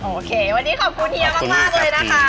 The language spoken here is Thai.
โอเควันนี้ขอบคุณเฮียมากเลยนะคะ